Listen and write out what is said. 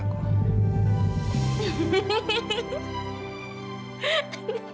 kamu mau gak jadi istri aku